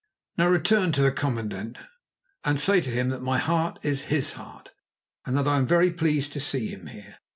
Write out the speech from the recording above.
"Now return to the commandant, and say to him that my heart is his heart, and that I am very pleased to see him here.